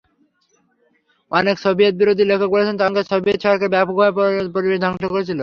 অনেক সোভিয়েতবিরোধী লেখক বলছেন, তখনকার সোভিয়েত সরকার ব্যাপকভাবে পরিবেশ ধ্বংস করেছিল।